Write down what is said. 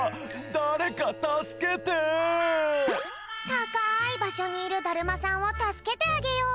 たかいばしょにいるだるまさんをたすけてあげよう！